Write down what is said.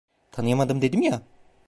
Tanıyamadım dedim ya!